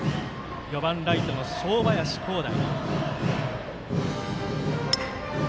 ４番、ライトの正林輝大。